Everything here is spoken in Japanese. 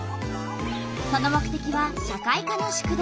その目てきは社会科の宿題。